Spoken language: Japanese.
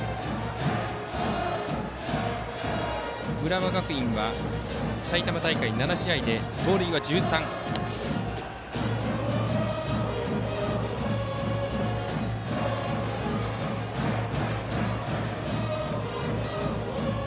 浦和学院は埼玉大会７試合で盗塁は１３です。